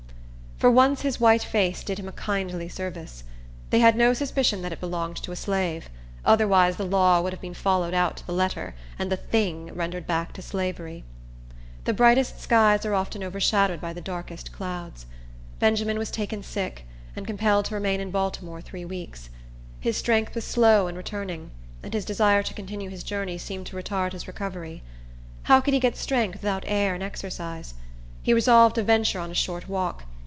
For once his white face did him a kindly service. They had no suspicion that it belonged to a slave; otherwise, the law would have been followed out to the letter, and the thing rendered back to slavery. The brightest skies are often overshadowed by the darkest clouds. Benjamin was taken sick, and compelled to remain in Baltimore three weeks. His strength was slow in returning; and his desire to continue his journey seemed to retard his recovery. How could he get strength without air and exercise? He resolved to venture on a short walk.